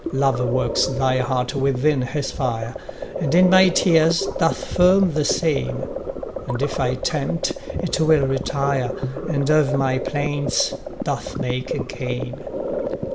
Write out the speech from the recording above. Love works thy heart within his fire, And in my tears doth firm the same; And if I tempt, it will retire, And of my plaints doth make a game.